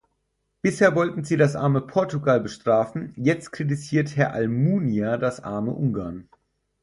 Bisher wollten sie das arme Portugal bestrafen, jetzt kritisiert Herr Almunia das arme Ungarn.